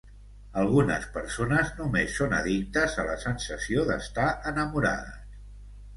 Algunes persones només són addictes a la sensació d'estar enamorades.